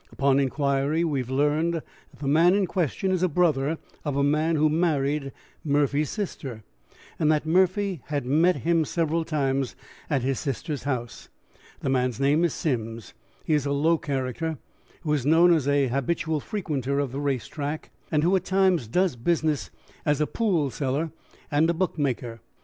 "Upon inquiry we have learned that the man in question is a brother of a man who married Murphy's sister, and that Murphy has met him several times at his sister's house. The man's name is Simms. He is a low character, who is known as a habitual frequenter of the race track, and who at times does business as a poolseller and bookmaker.